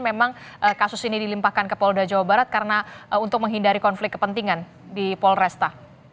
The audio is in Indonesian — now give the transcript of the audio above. memang kasus ini dilimpahkan ke polda jawa barat karena untuk menghindari konflik kepentingan di polresta